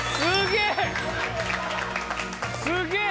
すげえ！